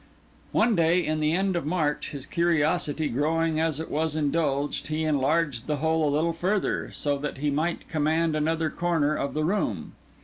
One day, in the end of March, his curiosity growing as it was indulged, he enlarged the hole a little further, so that he might command another corner of the room.